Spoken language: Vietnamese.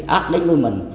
những cái ác đến người mình